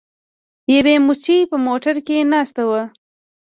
یوې مچۍ په موټر کې ناسته وه.